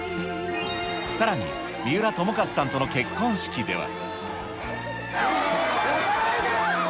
さらに三浦友和さんとの結婚式では。